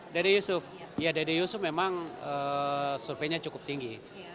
dede yusuf ya dede yusuf memang surveinya cukup tinggi